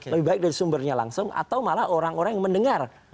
lebih baik dari sumbernya langsung atau malah orang orang yang mendengar